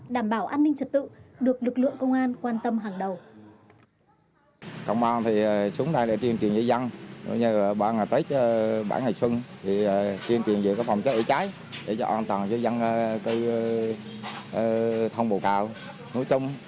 đảm bảo an ninh trật tự được lực lượng công an quan tâm hàng đầu